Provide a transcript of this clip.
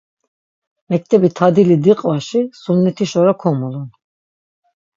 Mektebi tadili diqvaşi sunnetiş ora komulun.